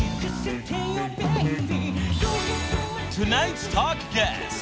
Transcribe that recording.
［トゥナイツトークゲスト］